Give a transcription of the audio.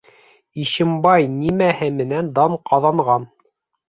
Ишембай нимәһе менән дан ҡаҙанған?